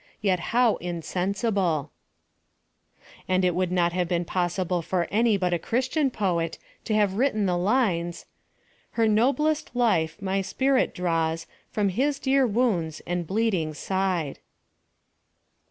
Yet how insensible ! And it would not have been possible for any biU a christian poet to have written the lines, 234 PHILOSOPHY OF THE fle» nobkst life my spirit draws Fr)m His dear wounds and bleeding sid€.